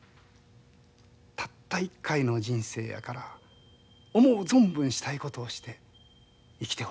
たった一回の人生やから思う存分したいことをして生きてほしい。